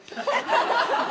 ハハハハ！